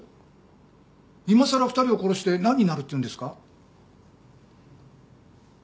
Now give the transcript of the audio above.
今さら２人を殺してなんになるっていうんですか？